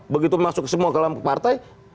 begitu masuk semua ke lampu partai